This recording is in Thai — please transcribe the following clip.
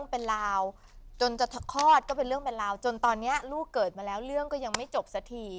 เป็นราวจนจะคลอดก็เป็นเรื่องเป็นราวจนตอนนี้ลูกเกิดมาแล้วเรื่องก็ยังไม่จบสักที